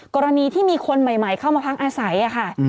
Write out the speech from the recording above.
กรณีที่มีคนใหม่เข้ามาพักอาศัยค่ะ